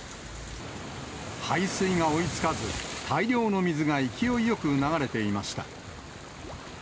排水が追いつかず、大量の水が勢いよく流れていました。